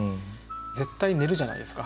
絶対寝るじゃないですか。